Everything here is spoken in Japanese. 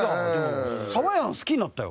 サワヤン好きになったよ。